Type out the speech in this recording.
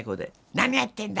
「何やってんだ！